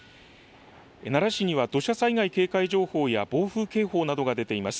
奈良市には土砂災害警戒情報や暴風警報などが出ています。